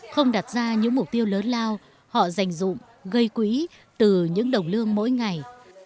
không đặt ra những mục tiêu lớn lao họ dành dụng gây quỹ từ những đồng lương mỗi ngày